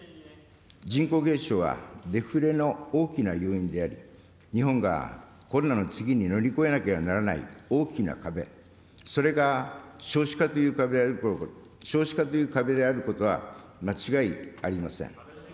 人口減少はデフレの大きな要因であり、日本がコロナの次に乗り越えなければならない大きな壁、それが少子化という壁であることは間違いありません。